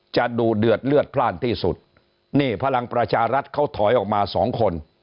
จะดูเดือดเลือดพลาดที่สุดนี่พลังประชารัฐเขาถอยออกมาสองคน